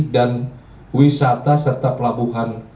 dan wisata serta pelabuhan